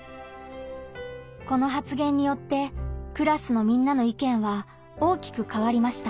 この発言によってクラスのみんなの意見は大きく変わりました。